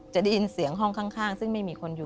จะได้ยินเสียงห้องข้างซึ่งไม่มีคนอยู่